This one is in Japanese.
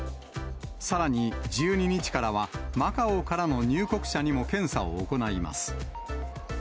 さらに１２日からは、マカオからの入国者にも検査を行います。